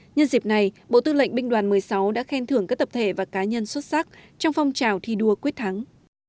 nhân dịp này bộ tư lệnh binh đoàn một mươi sáu đã khen thưởng các tập thể và cá nhân xuất sắc trong phong trào thi đua quyết thắng